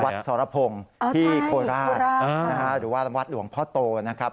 วัดสรพงศ์ที่โคราชหรือวัดหวังพ่อโตนะครับ